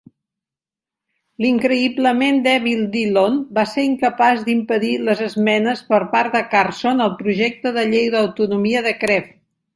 L'"increïblement dèbil" Dillon va ser incapaç d'impedir les esmenes per part de Carson al projecte de llei d'Autonomia de Crewe.